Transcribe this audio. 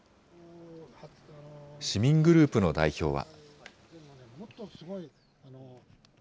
市民グループの代表は。